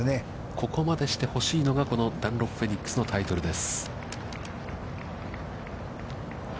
ここまでして欲しいのがこのダンロップフェニックスのタイトルです。